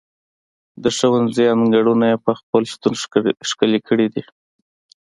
د ښوونځي انګړونه یې په خپل شتون ښکلي کړي دي.